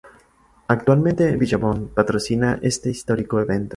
Actualmente, Billabong patrocina este histórico evento.